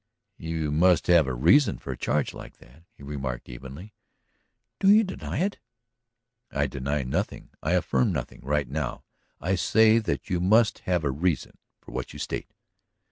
"You must have a reason for a charge like that," he remarked evenly. "Do you deny it?" "I deny nothing, I affirm nothing right now. I say that you must have a reason for what you state."